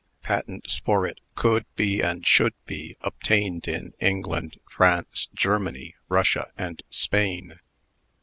Patents for it could be and should be obtained in England, France, Germany, Russia, and Spain.